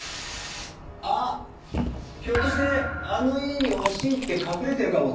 あっひょっとしてあの家に押し入って隠れてるかもって？